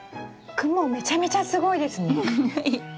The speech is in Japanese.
クモめちゃめちゃすごいですね。